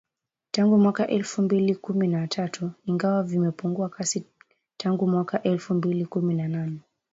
Tangu mwaka elfu mbili kumi na tatu ingawa vimepungua kasi tangu mwaka elfu mbili kumi na nane